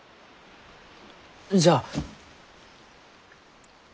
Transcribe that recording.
じゃあ。